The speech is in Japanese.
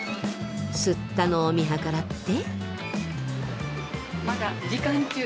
吸ったのを見計らって。